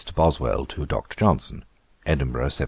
BOSWELL TO DR. JOHNSON. 'Edinburgh, Sept.